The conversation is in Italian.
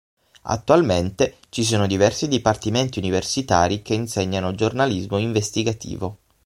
Attualmente ci sono diversi dipartimenti universitari che insegnano giornalismo investigativo.